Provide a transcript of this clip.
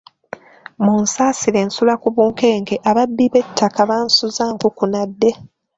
Munsasire nsula ku bunkenke ababbi b'ettaka bansuza nkukunadde.